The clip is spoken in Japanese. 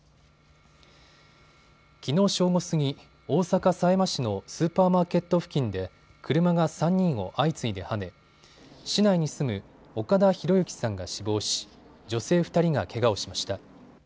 きのう正午過ぎ、大阪狭山市のスーパーマーケット付近で車が３人を相次いではね、市内に住む岡田博行さんが死亡し女性２人がけがをしました。